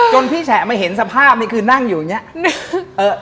พี่แฉะมาเห็นสภาพนี่คือนั่งอยู่อย่างนี้